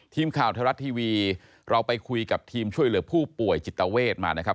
ทีมข่าวไทยรัฐทีวีเราไปคุยกับทีมช่วยเหลือผู้ป่วยจิตเวทมานะครับ